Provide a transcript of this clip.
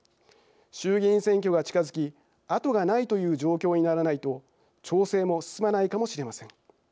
衆議院選挙が近づき後がないという状況にならないと調整も進まないかもしれません。